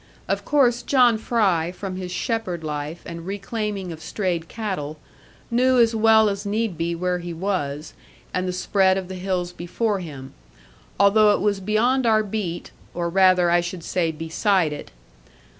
Of course, John Fry, from his shepherd life and reclaiming of strayed cattle, knew as well as need be where he was, and the spread of the hills before him, although it was beyond our beat, or, rather, I should say, beside it.